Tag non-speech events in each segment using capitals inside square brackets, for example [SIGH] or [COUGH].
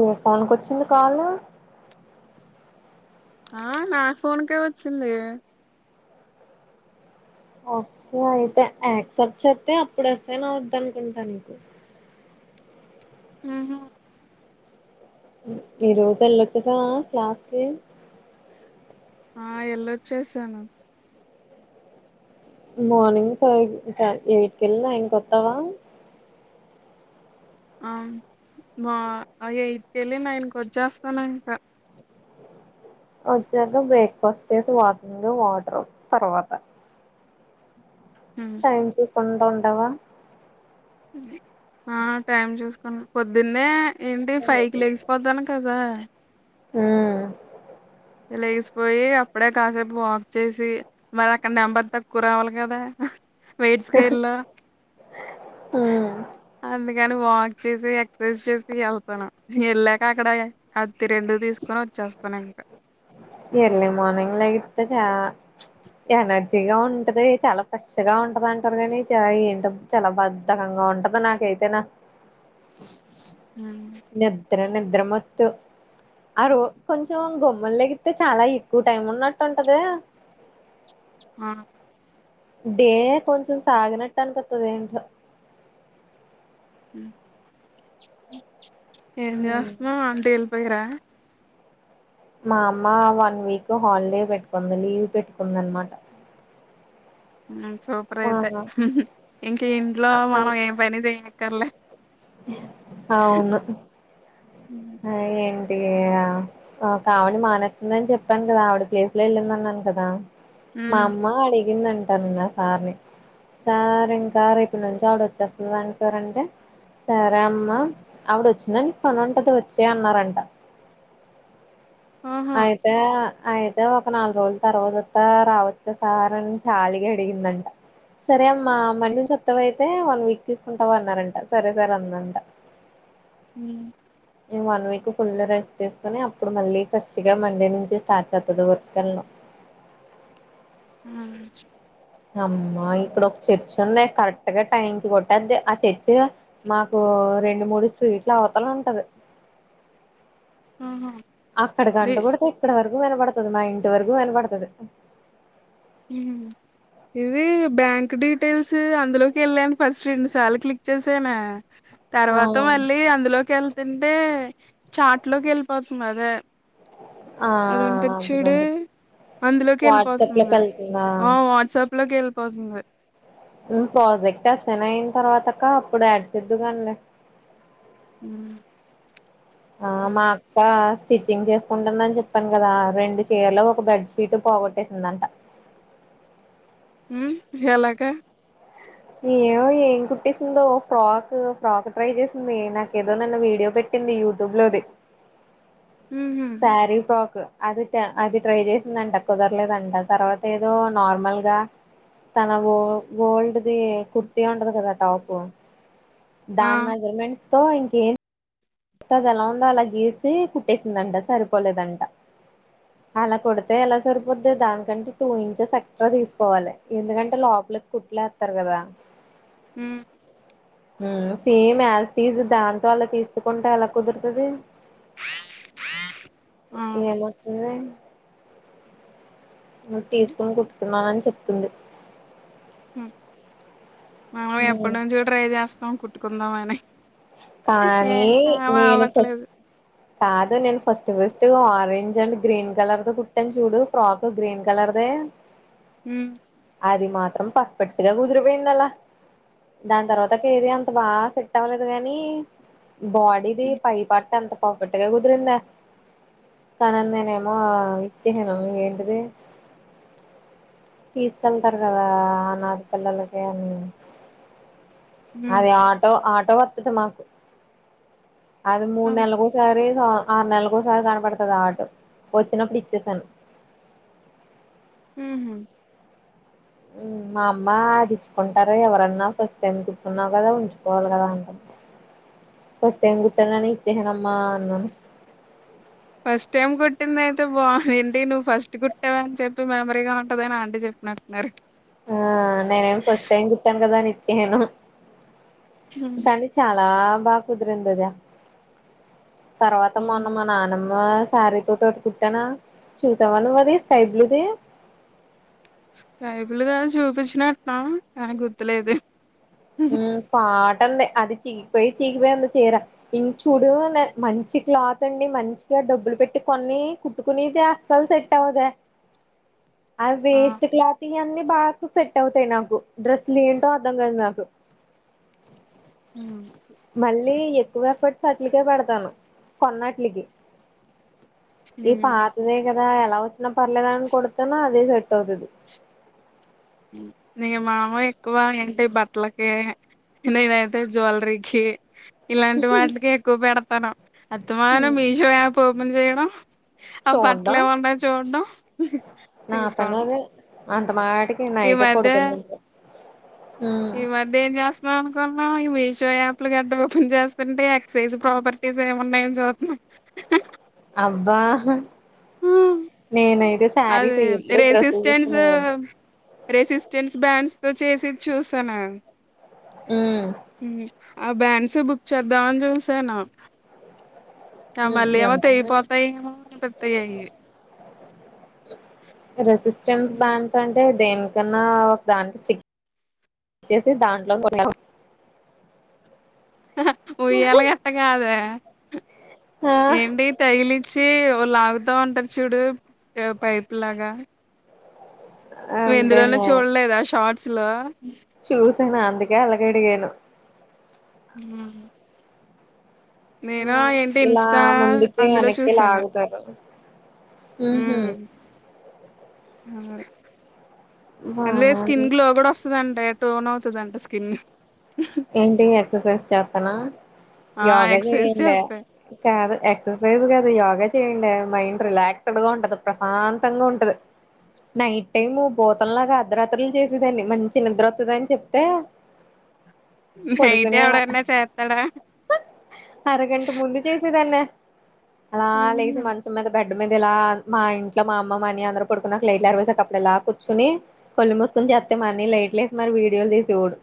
ఏ ఫోన్కొచ్చింది కాల్ ఆ నా ఫోన్కే వచ్చింది ఓకే అయితే యాక్సెప్ట్ చెత్తే అప్పుడు అసైన్ ఆవుద్ద అనుకుంటా నీకు ఉహు ఈ రోజు వెళ్ళొచ్చేసావా క్లాస్కి ఆ ఎల్లొ చేసాను మార్నింగ్ ఫైవ్ కాదు ఎయిట్ కె వెళ్ళి నైన్ కొత్తవా ఆ మా ఆ ఎయిట్ కెళ్ళి నైన్ వచ్చేస్తాను ఇంకా వచ్చాక బ్రేక్ఫాస్ట్ చేసి వాకింగ్ వాటరు తర్వాత హ్మ్ టైం చూసుకుంటా ఉం అవా ఆ టైం చూసుకున్న పొద్దిన్నే ఏంటి ఫైవ్ కి లేక్సి పోతాను కదా ఆ లేసిపోయి అప్పుడే కాసేపు వాక్ చేసి మరి అక్కడ నెంబర్ తక్కువ రావాలి కదా వెయిట్స్ గైడ్లో ఉమ్ అందు కాని వాక్ చేసి ఎక్సర్సైజ్ చేసి వెళ్తాను వెళ్ళాక అక్కడ అత్తి రెండు తీసుకొని వచ్చేస్తానుండి ఎర్లీ మార్నింగ్ లేగితే చాలా ఎనర్జీగా ఉంటది చాలా ఫ్రెష్గా ఉంటది అంటారు కాని చ ఏంటి చాలా బద్ధకంగా ఉంటది నాకైతేనా హ తీర నిద్ర మొత్తు ఆ రో కొంచెం గొమ్మన్ లెగి అయితే చాలా ఎక్కువ టైం ఉన్నట్టుంటదే ఆ డే కొంచం సాగనట్టనిపితదెంటో ఏం హ్మ్. జేస్త్నావ్ ఆంటీల్ పోయేరా మా అమ్మ వన్ వీక్ హాలిడే పెట్టుకుంది లీవ్ పెట్టుకుందనమాట సూపర్ ఆ! అయితే ఇంక ఇంట్లో అ అన్ మనం ఏం పని చేయ అక్కర్లే అవును హ్మ్. ఏం అది ఆ ఓకావిడ మానెస్తుందని చెప్పాను కదా ఆవిడ ప్లేస్ లో వెళ్ళిందన్నాను కదా మా హ్మ్. అమ్మా అడి గిందాంట నిన్న సార్ని సార్ ఇంకా రేపు నుంచి ఆవిడ వచ్చేస్తుంది అంటారంటే సరే అమ్మా ఆవిడ వచ్చిన నీ పని ఉంటది వచ్చే అన్నారంట ఓహో! అయితే అయితే ఒక నాలుగు రోజుల తర్వాత రావచ్చా సార్ అని జాలిగా అడిగిందంట సరే అమ్మా మండే నుంచొత్తవ అయితే వన్ వీక్ తీసుకుంటావ అన్నారంట సరే సార్ అందంట హ్మ్ నేను వన్ వీక్ ఫుల్ రెస్ట్ తీసుకుని అప్పుడు మళ్ళీ ఫ్రెష్ గా మండే నుంచి స్టార్ట్ చేస్తాది వర్క్ వెళ్ళడం ఆ అమ్మా ఇక్కడ ఒక చర్చి సండే కరెక్ట్ గా టైం కి కొటేద్ది ఆ చెర్చి మాకు రెండు మూడు స్ట్రీట్లు అవతల ఉంటది ఆహ అక్కడ గంట కొడితే ఇక్కడ వరకు వినపడతది మా ఇంటి వరకు వినపడతది ఇది బ్యాంక్ డీటెయిల్స్ అందులోకి వెళ్ళాను ఫస్ట్ రెండు సార్లు క్లిక్ చేసానే ఆ తర్వాత మళ్ళీ అందులోకి వెళ్తుం టే చాట్లోకి వెళ్ళిపోతుంది అదే ఆ అదుంటది చూడు అదేనండి వాట్సాప్ లో అందులోకెళ్ళిపోతుంది. కలి ఆ వాట్సప్ లో కెలి పోతుంది ప్రాజెక్ట్ అసన్ అయిన తర్వాతక్క అప్పుడు యాడ్ చేద్దువు గాన్లే హ్మ్. ఆ మా అదే. అక్క స్టిచ్చింగ్ చేసుకుంటుందని చెప్పాను కదా రెండు చీర్లు ఒక బెడ్ షీటు పోగొట్టేసిందంట ఎలగా ఏమో ఏం కుట్టిసిందో ఫ్రాక్ ఫ్రాక్ ట్రై చేసింది నాక ఏదో నిన్న వీడియో పెట్టింది యూట్యూబ్ లోది హుహు. సారీ ఫ్రాకు అది చ అది ట్రై చేసిందంట కుదర్లేదంట తర్వాతేదో నార్మల్ గా తన గో గోల్డ్ది కుర్తి ఉంటది గదా టాపు ఆ! దాని మజర్మెంట్స్ తో ఇంకెద్ ట అది ఎలా ఉందో అలా గీసి కుట్టేసిందంట సరిపోలేదంట అలా కుడితే ఎలా సరిపోద్ది దానికంటె టూ ఇంచెస్ ఎక్స్ట్రా తీస్కోవాలె ఎందుకంటే లోపలికి కుట్టలేస్తారు గదా ఉమ్ ఉమ్ సేమ్ యాజ్ టీజ్ దాంతో అలా తీస్ కుంటె ఎలా కుదుర్తది అవును. ఏమ్ ఒస్తుంది హ్మ్. తీస్కోని కుట్ కున్నానని చెప్తుంది మ్ మనం ఎప్పటి ఉమ్, నుంచో ట్రై చేస్నం కు ట్టుకుందాం అని కానీ నేను ఫస్ అవ్వట్లేదు. కాదు నేను first first orange and green colour తో కుట్టాను చూడు ఫ్రాక్ గ్రీన్ కలర్దే ఉమ్ అది మాత్రం పర్ఫెక్ట్ గా కుదిరిపోయిందలా దాని తర్వాత కేది అంత బా సెట్ అవ్వలేదు గాన్ మీ బాడీది హ్మ్ పై పట్ ఎంత పర్ఫెక్ట్గా కుదిరింద కానన్ నేనేమో ఇచ్చేసను ఏంటిది తీసుకెళ్తారు కదా ఆనాద పిల్లలకి అని హ్మ్ అది ఆటో ఆట్ వర్తతత మాకు అది ఆ మూడు నెల్లకోసారి ఆరు నెల్లోకోసరి కనపడ్తాది ఆ ఆటు ఒచ్చినప్పుడు ఇచ్చేసను ఉహు మా అమ్మ ఆదిచ్చుకుంటర ఎవరన్నా ఫస్ట్ టైం కుర్టున్నావు కదా ఉంచుకోవాల్ గదా అంట ఫస్ట్ టైం కుట్టాననే ఇచ్చేసానమ్మా అన్నాను ఫస్ట్ టైమ్ కుట్టింది ఐతే బాగుం ఏంటి నువ్వు ఫస్ట్ కుట్టావని చెప్పి మెమరీ గా ఉంటదని ఆంటీ చెప్పినట్టున్నారు ఆ నేనేం ఫస్ట్ టైం కుట్టాను కదా అనిచ్చేను హ్మ్. కని చాలా బా కుదిరిందద తర్వాత ఆ! మోన్న మా నాన్నమ్ ఆ శారీ తోటి ఓటి కుట్టాన చూసావా నువ్వది స్కై బ్లూది స్కై బ్లూ ద చూపించినట్నావ్ కానీ గుర్తులేదు ఉ పా అంది అది చీకిపోయి చీకిపోయింది చీర ఇం చూడున్ మంచి క్లాత్ అండి మంచిగా డబ్బులు పెట్టి కొన్ని కుట్టుకునేదే అస్సల్ సెట్ అవ్వదే ఆ వేస్ట్ క్లాత్ ఇ అన్నీ బా సెట్ అవుతాయి నాకు డ్రెస్లు ఏంటో అర్థం కాదు నాకు [INAUDIBLE] ఊ మళ్ళీ ఎక్కువ ఎఫర్ట్స్ అట్లకే పెడతాను కొన్నట్లకి ఈ హ్మ్ పాతద కదా ఎలా వచ్చినా పర్లేదని కొడుతున్న అదే సెట్ అవుతుది నే మామ ఎక్కువ ఏంటి బట్టలకి నేనైతే జ్యువెలరీకి ఇలాంటి వాటికే ఎక్కువ పెడతాను అస్తమానం మీషో యాప్ ఓపెన్ చేయడం ఆ చూడ్డం బట్లెమున్నాయని చూడటం తీసుకోవడం అంతమట అందుకే ఈ నైట్ ఆ మధ్య పడుకున్నాను ఈ మధ్య ఏం చేస్తున్నావ్ అనుకుంటున్నావ్ మీషో యాప్లు గడ్డ ఓపెన్ చేస్తుంటే ఎక్సైజ్ ప్రాపర్టీస్ ఏమిన్నాయని చూస్తున్నాం అబ్బా నేనయితే అది సారీస్ ఎప్పుడు డ్రెస్సులు రెసిస్టెన్స్ చూస్తూనే ఉంటా రెసిస్టెన్స్ బ్యాండ్స్ తో చేసి చూసాను హ్మ్ హ్మ్. ఆ బ్యాన్స్ బుక్ చేద్దామని చూసాను ఆ ఉమ్ మళ్ళీ ఏమో ఎంతన్నాయి తెగిపోతాయేమో పెత్తయయి రెసిస్టెన్స్ బ్యాండ్స్ అంటే దేనికన్నా ఒక దానికి సి ఇచ్చేసి దాంట్లో కొ ఉయ్యాల గట్ట కాదే ఆ ఎంటి తైలి చీ ఒకరు లాగుతా ఉంటారు చూడు పైపు లాగా నువ్వు ఎందులోను అంతేనే చూడలేదా షార్ట్ అసలు చూసాను అందుకే అలాగడిగాను ఆ ఇలా ఇన్స్టా ముందుకి అందులో వెనక్కి చూసాను. లాగుతారు ఆ హ్ అంన్లే బానే స్కిన్ ఉంది గ్లో కూడా వస్తుందింటే టోన్ అవుతాది అంటా స్కిన్. ఏంటి ఎక్సర్సైజ్ చేస్త తనా ఆ! యోగా ఎక్సర్సైజ్ చేయ్యలే. చేస్తే. కాదు. ఎక్ససైజ్ కాదు. యోగా చేయండి. మైండ్ రిలాక్స్డ్ గా ఉంటది. ప్రశాంతంగా ఉంటది. నైట్ టైము బూతంలాగా అర్థ రాత్రలు చేసేదాన్ని మంచి నిద్ర వతది అని చెప్తే. నైట్ పడుకునే హ ఎవడన్నా చేత్తాడా? అరగంట ముందు చేసేదాన్ని. అలా లేసి హుహు. మంచం మీద బెట్- బెడ్ మీద ఇలా. మా ఇంట్లో మా అమ్మ మా అన్నయ్య అందరు పడుకున్నాక లైట్లు అరవేసి అప్పుడ ఇలా కూర్చొని కళ్ళు మూసుకొని చేతే మా అన్నయ్య లైట్లు వేసి మరి వీడియోలు తీసేవాడు.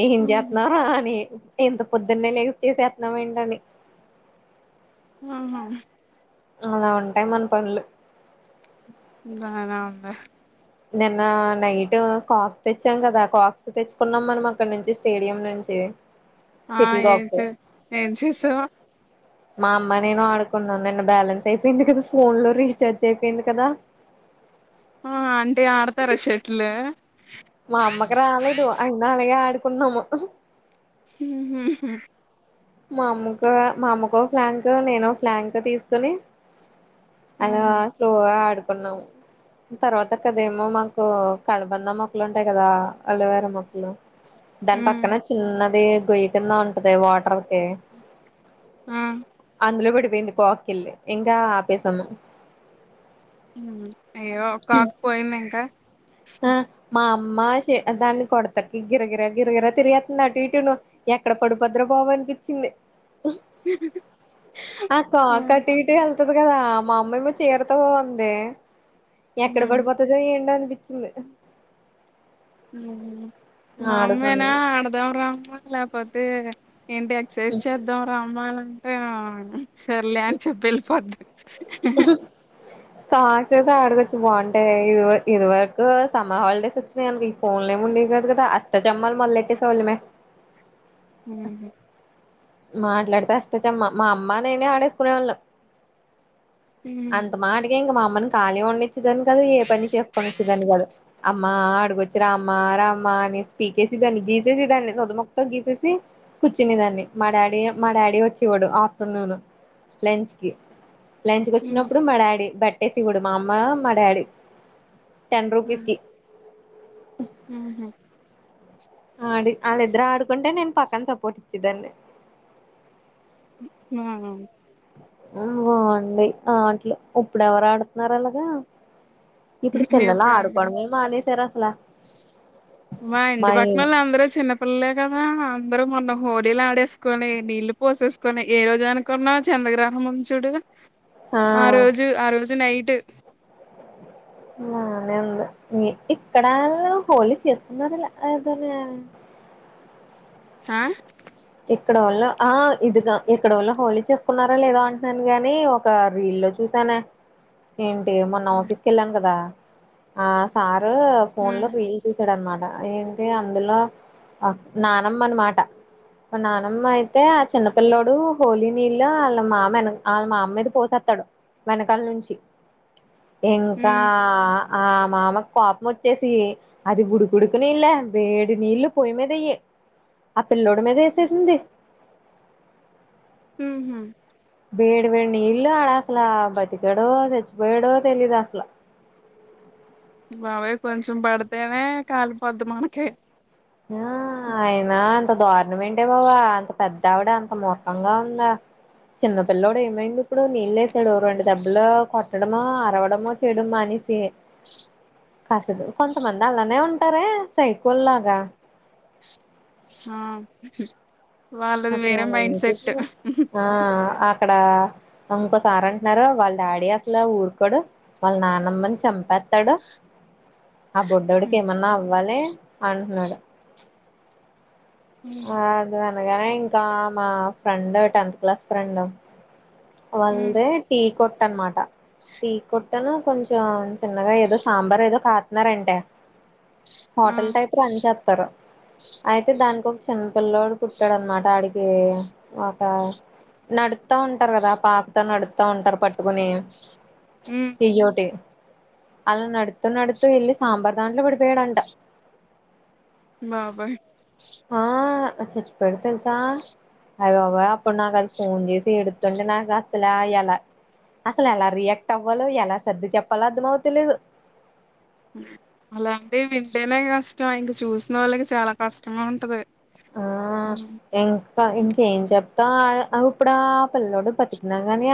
ఎమ్ హుహు. జెతున్నావురా అని ఎంత పొద్దున్నే లేచి చేసేతనవు ఏంటని. హ హ అలా ఉంటాయి. మన పనులు. బాగానే ఉందే. నిన్న నైట్ కాక్ తెచ్చాం కదా కాక్స్ తెచ్చుకున్నాం. మనం అక్కడ నుంచి స్టేడియం నుంచి. ఆ షటిల్ ఏం కాక్స్ చే ఏం చేసావ్ మా అమ్మ నేను ఆడుకున్నాం. నిన్న బ్యాలెన్స్ అయిపోయింది కదా. ఫోన్ లో రీఛార్జ్ అయిపోయింది కదా. ఆన్ ఏ ఆడతరా షెటిల్ లు మా అమ్మకి రాలేదు. అయినా అలాగే ఆడు పున్నము. హు హు మా అమ్మకా మా అమ్మకో ఫ్లాంక్ నేనో ఫ్లాంక్ తీసుకోని. అలా ఆహా! స్లోగా ఆడు కున్నాము. తర్వాత కదేమో మాకు కలబంద మొక్కలు ఉంటాయి. కదా అలోవేర మొక్కలు. దాని హ్మ్. పక్కన చిన్నది. గొయ్యి కింద ఉంటది వాటర్. ఏ ఆ అందులో పడిపోయింది కాకిల్. ఇంకా ఆపేసాము. ఉ అయ్యో కాక్ పోయిందా ఇంకా. అమ్మా షే దాన్ని కొడతకి గిరగిర గిరగిర తిరగెతున్నటు అటు ఇటు ఎక్కడ పడుపోదిరా బాబు అని చిన్ అక్కో ఆ! అక్క టిటిల్ వస్తది కదా. మా అమ్మా ఏమో చీరతో ఉంది. ఎక్కడ హ్మ్. పడిపోతదో ఏండో అనిపి చింది మా ఆడుకుని అమ్మేనా ఆడదాం రా అమ్మా లేపోతే ఏంటి ఎక్సర్సైజ్ చేద్దాం రా అమ్మాలంటే ఆన్ సర్లే అని చెప్పి ఎళ్ళిపోద్ది కాసేప్ ఆడగ చ్ బాగుంటాయి. ఇది ఇది వరకు సమ్మర్ హాలిడేస్ వచ్చినాయినుకో ఈ ఫోన్లేమి ఉండే కదు కదా. అష్టచమ్మాలు మొలెట్టేస వాళ్ళమే. ఉహ్ హు మాట్లాడితె అష్టచ్చమ్మ మా అమ్మ నేనే ఆడేసుకునేవాళ్ళం. అంత మాడికె ఇంగ మామ్ మనం కాలిగుండి. వచ్చిదాని కాదు. ఏ పని చేసుకోనిచ్చేదాన్ని కాదు. అమ్మ మ్మా అడుగొచ్చి రామ్మా రామ్మా అనేసి పీకేసెదాన్ని గీసేసె దాన్ని. సుద్దముక్కతో గీసేసి కూర్చునె దాన్ని. మా డాడీ మా డాడీ వచ్చేవాడు. ఆఫ్టర్నూన్ లంచ్ కి లంచ్కి వచ్చినప్పుడు. మా డాడీ బట్ టెసి విడు మా అమ్మా మా డాడీ టెన్ రుపీస్కి ఉహ్ హు ఆడి వాళ్ళిద్దరు ఆడుకుంటే. నేను పక్కన సపోర్ట్ ఇచ్చేదాన్ని ఉహ్ ఆ హా బాగుంది. ఆ ఆట్లు ఉప్పుడెవరు ఆడుతున్నారు అలాగా ఇప్పుడు పిల్లలు ఎప్పుడు అక్కడ ఆడుకోవడమే మానేశారు. అసల్ ల్ల మా ఇంటి పక్కన వాళ్ళ అందరు చిన్నపిల్లలే కదా అందరూ మోన్న హోలీలు ఆడేసుకొని, నీళ్లు పోసేసుకొని, ఏ రోజు అనుకున్నావ్ చంద్రగ్రహనం ఉంది చూడు ఆ రోజు ఆ రోజు నైట్ ట్ బానె ఉంది. ని ఇక్కడ హోలి చేస్తున్నదల అదేన్న హా ఇక్కడ వోల్ళ ఆ ఇదిగా ఇక్కడ వల్ళ హోలి చేసుకున్నారా లేదా అంటున్నాను. గాని ఒక రీల్ లో చూసానే ఏంటి మొన్న ఆఫీస్ కి వెళ్ళాను కదా ఆ సార్ రూ ఫోన్ లొ రీల్ చూసాడన్నమాట. ఏంటి అందులో ఆహ్ నానమ్మనమాట నానమ్మ అయితే ఆ చిన్నపిల్ల్లోడు హోలీ నీళ్ళ వాళ్ళ మామ వెన వాళ్ళ మామ్మిద పోసేస్తాడు వెనకాల నుంచి. ఇంకా ఆ మామ కోపం వచ్చేసి అది గుడిగుడుకునేళ్లే వేడి నీళ్లు పొయి మీదయ్యి ఆ పిల్ల్లోడి మీదేస్ సేసింది ఉహ్ హు వేడి వేడి నీ ఇల్లు ఆడా అసలా బతికాడో చచ్చిపోయాడో తెలీదు అసలు. బావే కొంచెం పడతేనే కాలిపొద్ధి మనకి ఆ అయనా అంట దా రుణం ఏంటే బాబ అంత పెద్ ద్దావిడ అంత మూర్ఖంగా ఉందా చిన్న పిల్లోడు ఏమైంది ఇప్పుడు నీళ్ళు ఏసాడు రెండు దెబ్బలు కొట్టడమో అరవడమో చేయడం మానేసి కాసదు కొంతమంది అలానే ఉంటారే సైకోల్ లాగా ఆ వాళ్ళది అసలు వేరే అలా మైండ్ సెట్ వేసేసింది ఆ అక్కడ ఇంకోసారి అంటున్నారు వాళ్ళ డాడీ అసలు ఊరుకోడు వాళ్ళ నానమ్మని చంపేస్తాడు ఆ బొడ్డోడికి ఏమన్నా అవ్వాలి అంటున్నాడు ఉమ్ అందుగానే ఇంకా మా ఫ్రెండ్ టెన్త్ క్లాస్ ఫ్రెండ్ వాళ్ ఉమ్ దే టీ కొట్ ట్ అనమాట టీ కొట్టను కొంచెం చిన్నగా ఏదో సాంబార్ ఏదో కా ఇన్న రెంటే ఆ హోటల్ టైప్ రన్ చేస్తారు అయితే దానికి ఒక చిన్నపిిల్లోడు పుట్టాడు అనమాట ఆడికి ఒక నడుత్త ఉంటారు కదా పాకుత నడుతా ఉంటారు పట్టుకుని తెయ్యోటే అలా నడుతూ నడుతూ వెళ్ళి సాంబార్ దాంట్లో పడిపోయాడంట బాబోయ్ ఆ చచ్చిపోయాడు తెలుసా అయ బాబోయ్ అప్పుడు నాకు అది ఫోన్ చేసి ఎడుతుంటే నాకు అసలు ఎలా అసలు ఎలా రియాక్ట్ అవ్వాలో ఎలా సర్ది చెప్పాలో అర్ధం అవ తెలేదు అలాంటిే వింటేనే కష్టం ఇంక చూసిన వాళ్ళకి చాలా కష్టంగా ఉంటది ఆ ఉమ్ ఇంకా ఇంకేం చెప్ ప్తాం ఆ ఇప్పుడు ఆ పిల్లోడు బతికిన కానీ